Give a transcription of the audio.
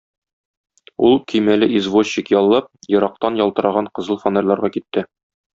Ул, көймәле извозчик яллап, ерактан ялтыраган кызыл фонарьларга китте.